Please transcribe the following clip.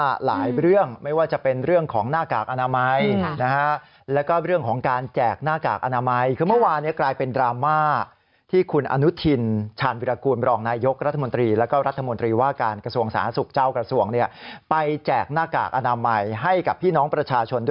คุณผู้ชมมาติดตามความคืบหน้าสถานการณ์ไวรัสโคโรนานะ